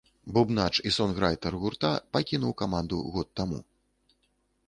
Бубнач і сонграйтар гурта пакінуў каманду год таму.